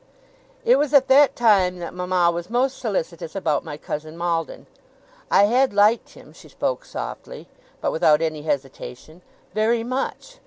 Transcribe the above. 'It was at that time that mama was most solicitous about my Cousin Maldon. I had liked him': she spoke softly, but without any hesitation: 'very much.